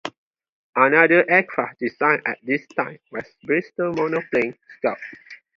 Another aircraft designed at this time was the Bristol Monoplane Scout.